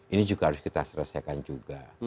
ini juga harus kita selesaikan juga